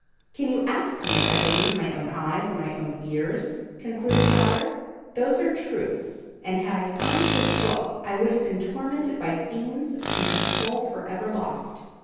"Can you ask me if I believe my own eyes and my own ears?" concluded Louder. "Those are truths, and had I signed his book, I would have been tormented by fiends and my soul forever lost."